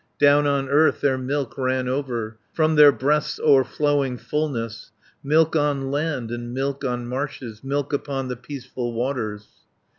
50 Down on earth their milk ran over, From their breasts' overflowing fulness, Milk on land, and milk on marshes, Milk upon the peaceful waters.